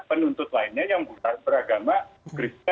penuntut lainnya yang bukan beragama christian muslim dan lain sebagainya